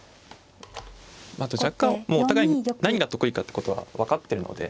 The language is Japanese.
あと若干もうお互いに何が得意かってことは分かってるので。